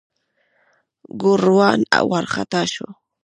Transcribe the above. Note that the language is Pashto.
ګوروان وارخطا شو.